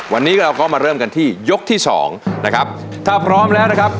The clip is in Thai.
วันนี้เราก็มาเริ่มกันที่ยกที่สองนะครับถ้าพร้อมแล้วนะครับ